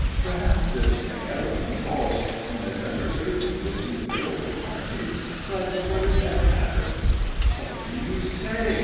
Perhaps it may never come at all. One is never certain with these railway companies. But what does that matter?" "What do you say?"